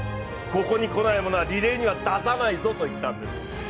ここに来ない者はリレーには出さないぞと言ったんです。